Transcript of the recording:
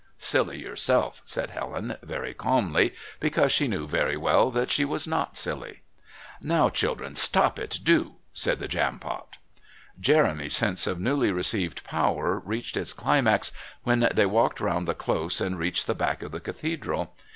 "Silly yourself," said Helen very calmly, because she knew very well that she was not silly. "Now, children, stop it, do," said the Jampot. Jeremy's sense of newly received power reached its climax when they walked round the Close and reached the back of the Cathedral.